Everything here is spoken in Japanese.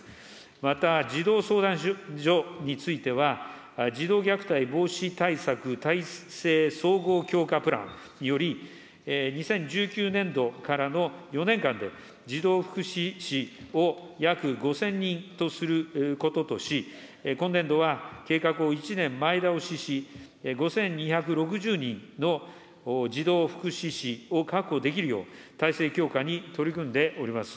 また、児童相談所については、児童虐待防止対策体制総合強化プランにより、２０１９年度からの４年間で、児童福祉司を約５０００人とすることとし、今年度は計画を１年前倒しし、５２６０人の児童福祉司を確保できるよう、体制強化に取り組んでおります。